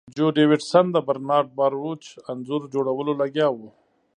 جو ډیویډ سن د برنارډ باروچ انځور جوړولو لګیا و